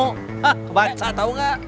hah kebaca tau nggak